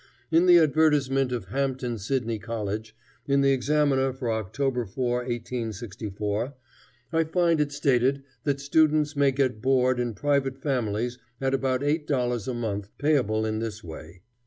In the advertisement of Hampden Sidney College, in the Examiner for October 4, 1864, I find it stated that students may get board in private families at about eight dollars a month, payable in this way.